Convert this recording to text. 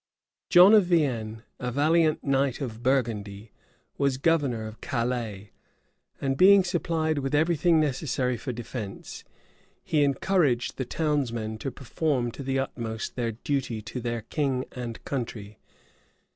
John of Vienne, a valiant knight of Burgundy, was governor of Calais, and being supplied with every thing necessary for defence, he encouraged the townsmen to perform to the utmost their duty to their king and country.